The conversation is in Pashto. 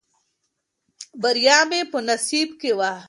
بریا مې په نصیب کې وه.